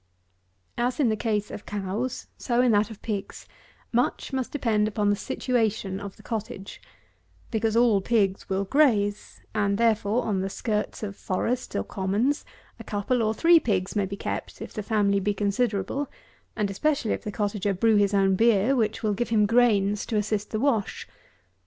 _) 143. As in the case of cows so in that of pigs, much must depend upon the situation of the cottage; because all pigs will graze; and therefore, on the skirts of forests or commons, a couple or three pigs may be kept, if the family be considerable; and especially if the cottager brew his own beer, which will give him grains to assist the wash.